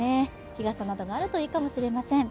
日傘もあるといいかもしれません。